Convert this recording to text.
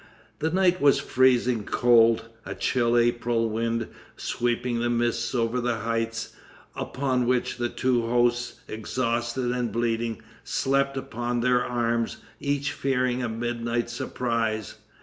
The night was freezing cold, a chill April wind sweeping the mists over the heights, upon which the two hosts, exhausted and bleeding, slept upon their arms, each fearing a midnight surprise.